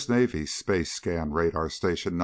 Navy's Space Scan Radar Station No.